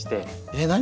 えっ？何？